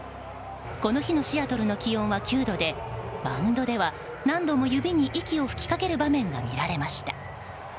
この日のシアトルの気温は９度でマウンドでは、何度も指に息を吹きかける場面が見られました。